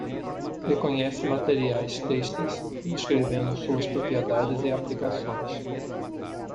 Reconhece materiais têxteis, descrevendo suas propriedades e aplicações.